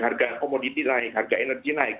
harga komoditi naik harga energi naik